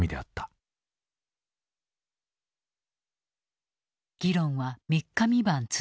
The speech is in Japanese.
議論は三日三晩続いた。